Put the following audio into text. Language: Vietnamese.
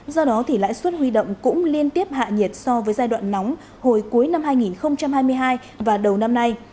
do đó thì lãi suất huy động cũng liên tiếp hạ nhiệt so với giai đoạn nóng hồi cuối năm hai nghìn hai mươi hai và đầu năm nay